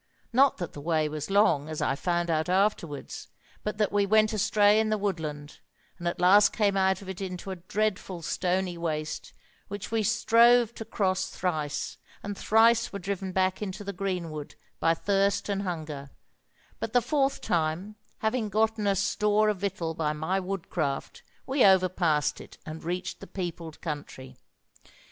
Not that the way was long, as I found out afterwards, but that we went astray in the woodland, and at last came out of it into a dreadful stony waste which we strove to cross thrice, and thrice were driven back into the greenwood by thirst and hunger; but the fourth time, having gotten us store of victual by my woodcraft, we overpassed it and reached the peopled country.